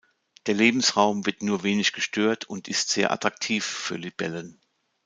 Der Lebensraum wird nur wenig gestört und ist sehr attraktiv für Libellen.